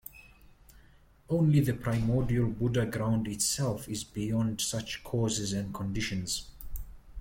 Only the primordial Buddha ground itself is beyond such causes and conditions.